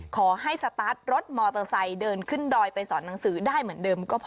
ขอให้สตาร์ทรถมอเตอร์ไซค์เดินขึ้นดอยไปสอนหนังสือได้เหมือนเดิมก็พอ